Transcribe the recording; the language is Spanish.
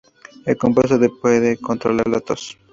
El compuesto puede controlar la tos.